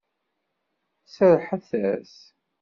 Serrḥet-as.